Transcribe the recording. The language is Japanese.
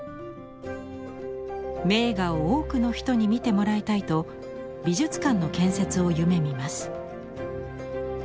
名画を多くの人に見てもらいたいと美術館の建設を夢みます。